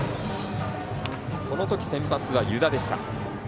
このとき先発は湯田でした。